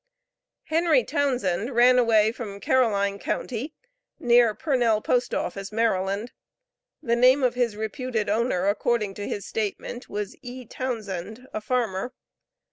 Henry Townsend ran away from Caroline county, near Purnell P.O., Maryland. The name of his reputed owner, according to his statement, was E. Townsend, a farmer.